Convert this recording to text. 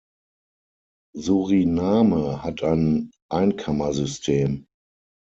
Suriname hat ein Einkammersystem.